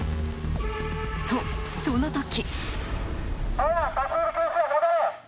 と、その時。